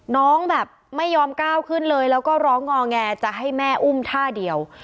น้องแบบไม่ยอมก้าวขึ้นเลยแล้วก็ร้องงอแงจะให้แม่อุ้มท่าเดียว